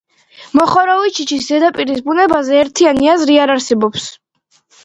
მოხოროვიჩიჩის ზედაპირის ბუნებაზე ერთიანი აზრი არ არსებობს.